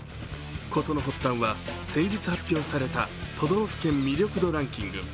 ことの発端は先日発表された都道府県魅力度ランキング